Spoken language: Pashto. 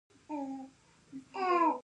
هوا د افغانستان په اوږده تاریخ کې ذکر شوی دی.